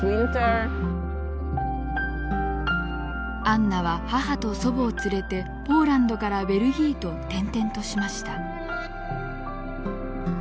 アンナは母と祖母を連れてポーランドからベルギーと転々としました。